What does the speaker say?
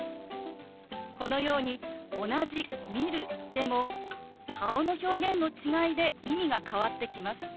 このように同じ「見る」でも顔の表現の違いで意味が変わってきます。